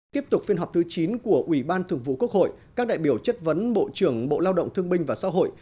tiếp tục phiên họp thứ chín của ủy ban thường vụ quốc hội các đại biểu chất vấn bộ trưởng bộ lao động thương binh và xã hội